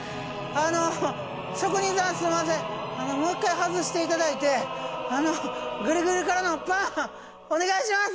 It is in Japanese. あの職人さんすんませんもう一回外していただいてあのグリグリからのパンお願いします。